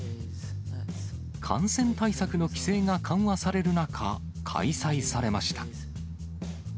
感染対策の規制が緩和される中、開催されました。